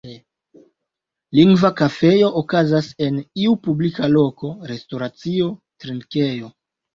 Lingva kafejo okazas en iu publika loko, restoracio, trinkejo.